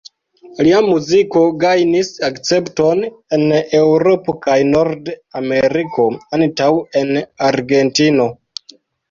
Lia muziko gajnis akcepton en Eŭropo kaj Nord-Ameriko antaŭ en Argentino.